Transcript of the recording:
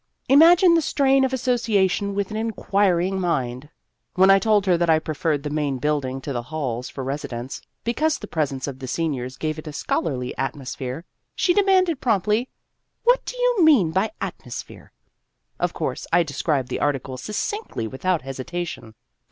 Imagine the strain of association with an Inquiring Mind ! When I told her that I preferred the Main Building to the halls for residence, because the presence of the seniors gave it a scholarly atmosphere, she demanded promptly, " What do you mean by ' atmosphere '?" Of course, I described the article succinctly without hesitation.